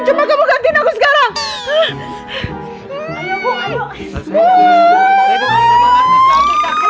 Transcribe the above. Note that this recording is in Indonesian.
coba kamu gantiin aku sekarang